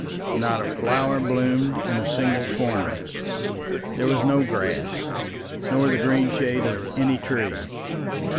Not a flower bloomed in a single corner. There was no grass nor the green shade of any tree.